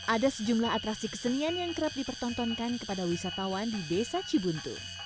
ada sejumlah atraksi kesenian yang kerap dipertontonkan kepada wisatawan di desa cibuntu